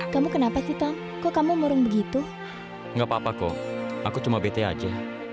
sampai jumpa di video selanjutnya